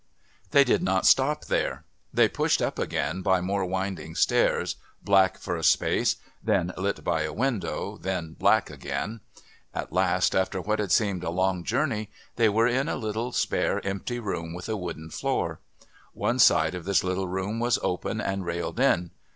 They did not stop there. They pushed up again by more winding stairs, black for a space, then lit by a window, then black again. At last, after what had seemed a long journey, they were in a little, spare, empty room with a wooden floor. One side of this little room was open and railed in.